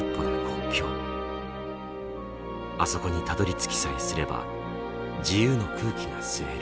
あそこにたどりつきさえすれば自由の空気が吸える。